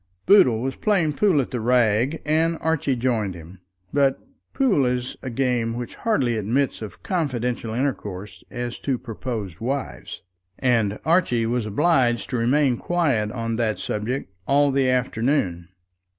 Boodle was playing pool at the Rag, and Archie joined him; but pool is a game which hardly admits of confidential intercourse as to proposed wives, and Archie was obliged to remain quiet on that subject all the afternoon.